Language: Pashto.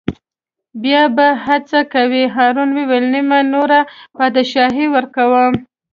بیا به څه کوې هارون وویل: نیمه نوره بادشاهي ورکووم.